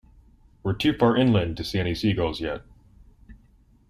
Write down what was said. We're too far inland to see any seagulls yet.